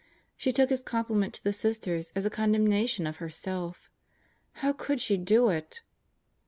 She took his compliment to the Sisters as a condemnation of herself. How could she do it?